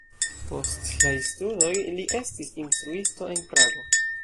Post siaj studoj li estis instruisto en Prago.